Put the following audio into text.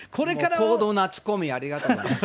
高度なツッコミありがとうございます。